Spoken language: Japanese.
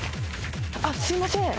あっすいません